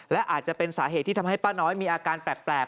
และอาจจะเป็นสาเหตุที่ทำให้ป้าน้อยมีอาการแปลก